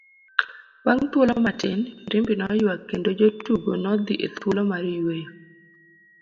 Bang' thuolo matin, firimbi noyuak kendo jotugo nodhi e thuolo mar yueyo.